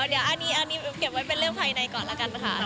เดี๋ยวอันนี้เก็บไว้เป็นเรื่องภายในก่อนแล้วกันค่ะ